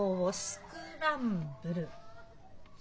スクランブル？